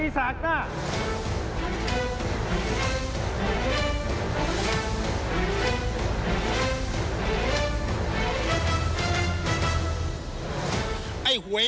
สุดท้าย